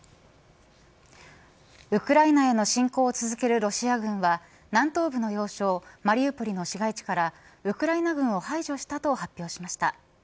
ウクライナへの進攻を続けるロシア軍は南東部の要衝マリウポリの市街地からウクライナ軍を排除したと発表しました。